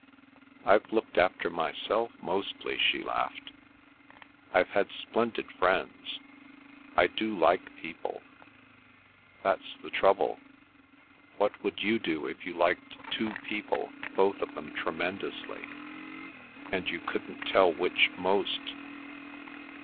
"I've looked after myself mostly," she laughed. "I've had splendid friends. I do like people! That's the trouble. What would you do if you liked two people, both of them tremendously, and you couldn't tell which most?"